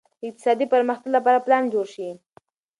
د اقتصادي پرمختګ لپاره پلان جوړ شي.